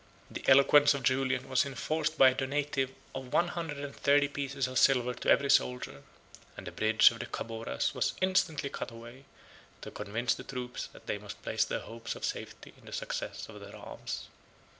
The eloquence of Julian was enforced by a donative of one hundred and thirty pieces of silver to every soldier; and the bridge of the Chaboras was instantly cut away, to convince the troops that they must place their hopes of safety in the success of their arms.